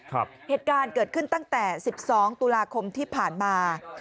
ครับเหตุการณ์เกิดขึ้นตั้งแต่สิบสองตุลาคมที่ผ่านมา